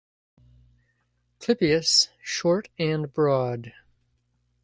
Clypeus short and broad.